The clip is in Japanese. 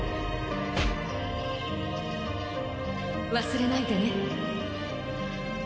忘れないでね。